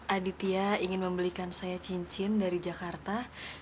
aditya ingin membelikan saya cincin dari jakarta